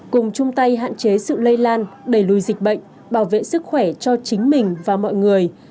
cùng chung tay hạn chế sự lây lan đẩy lùi dịch bệnh bảo vệ sức khỏe cho chính mình và mọi người